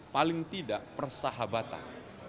paling tidak persahabatan